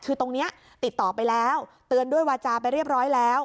คือตรงนี้ติดต่อไปแล้วเตือนด้วยวาจาไปเรียบร้อยแล้ว